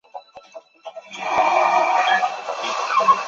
本科鱼体长椭圆形而侧扁。